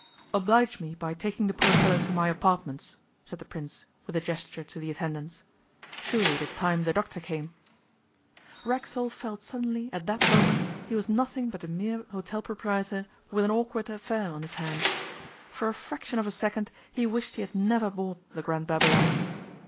'Oblige me by taking the poor fellow to my apartments,' said the Prince, with a gesture to the attendants. 'Surely it is time the doctor came.' Racksole felt suddenly at that moment he was nothing but a mere hotel proprietor with an awkward affair on his hands. For a fraction of a second he wished he had never bought the Grand Babylon.